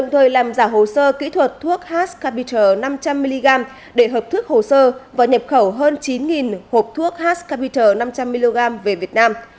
hồ sơ kỹ thuật thuốc hascapiter năm trăm linh mg để hợp thức hồ sơ và nhập khẩu hơn chín hộp thuốc hascapiter năm trăm linh mg về việt nam